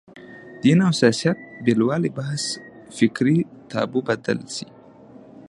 دین او سیاست بېلوالي بحث فکري تابو بدله شي